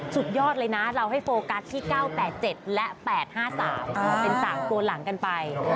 สุดยอดเลยนะเราให้โฟกัสที่๙๘๗และ๘๕๓เป็น๓ตัวหลังกันไป